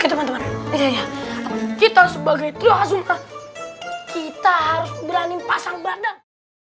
oke teman teman kita sebagai trio azuma kita harus berani pasang badan